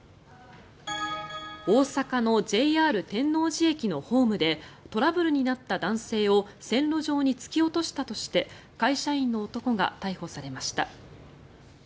大阪のＪＲ天王寺駅のホームでトラブルになった男性を線路上に突き落としたとして会社員の男が逮捕されました。